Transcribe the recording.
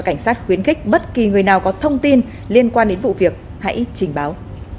cảnh sát khuyến khích bất kỳ người nào có thông tin liên quan đến vụ việc hãy trình báo